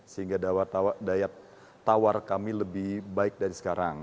sehingga daya tawar kami lebih baik dari sekarang